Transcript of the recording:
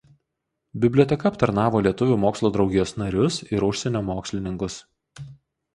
Biblioteka aptarnavo Lietuvių mokslo draugijos narius ir užsienio mokslininkus.